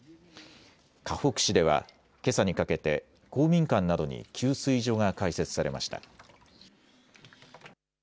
かほく市ではけさにかけて公民館などに給水所が開設されました。